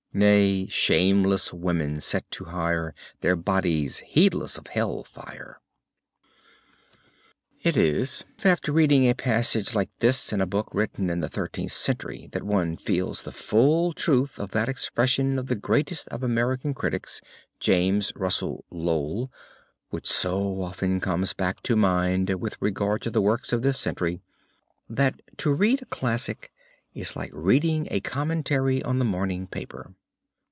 Nay, shameless women set to hire Their bodies, heedless of hell fire; It is after reading a passage like this in a book written in the Thirteenth Century that one feels the full truth of that expression of the greatest of American critics, James Russell Lowell, which so often comes back to mind with regard to the works of this century, that to read a classic is like reading a commentary on the morning paper.